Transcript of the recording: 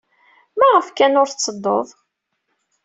Maɣef kan ur tettedduḍ?